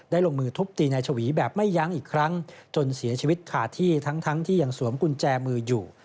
ลงมือทุบตีนายชวีแบบไม่ยั้งอีกครั้งจนเสียชีวิตขาดที่ทั้งที่ยังสวมกุญแจมืออยู่